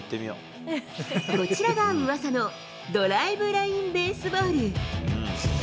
こちらが噂のドライブライン・ベースボール。